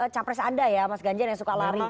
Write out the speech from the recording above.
capres anda ya mas ganjar yang suka lari